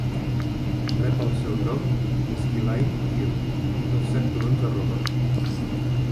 Rep el seu nom d"Esquiline Hill, un dels set turons de Roma.